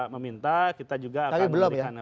meminta kita juga akan tapi belum ya